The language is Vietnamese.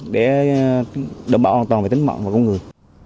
để đồng bão an toàn về tính mạng và công người